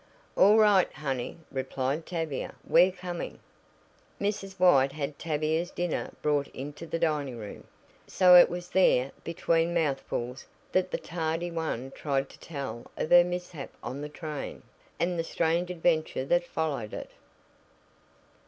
"All right, honey," replied Tavia. "We're coming." Mrs. White had Tavia's dinner brought into the dining room, so it was there, between mouthfuls, that the tardy one tried to tell of her mishap on the train, and the strange adventure that followed it.